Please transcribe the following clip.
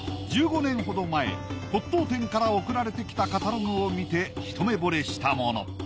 １５年ほど前骨董店から送られてきたカタログを見て一目ぼれしたもの。